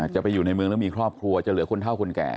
จะไปอยู่ในเมืองแล้วมีครอบครัวจะเหลือคนเท่าคนแก่